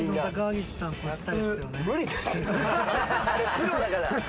プロだから。